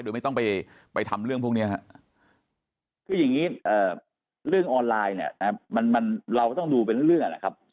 โดยไม่ต้องไปทำเรื่องพวกนี้คืออย่างนี้เรื่องออนไลน์เนี่ยมันเราก็ต้องดูเป็นเรื่องนะครับ